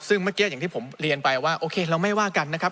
ซึ่งเมื่อกี้อย่างที่ผมเรียนไปว่าโอเคเราไม่ว่ากันนะครับ